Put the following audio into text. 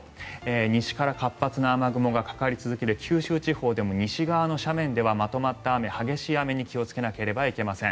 西から活発な雨雲がかかり続けて九州地方でも西側の斜面ではまとまった雨激しい雨に気をつけなければいけません。